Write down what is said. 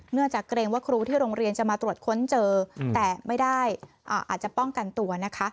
จากเกรงว่าครูที่โรงเรียนจะมาตรวจค้นเจอแต่ไม่ได้อาจจะป้องกันตัวนะคะ